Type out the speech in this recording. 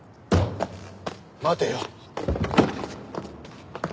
待てよ。